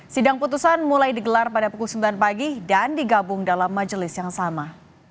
sidang putusan mulai digelar pada pukul sembilan pagi dan digabung dalam majelis yang sama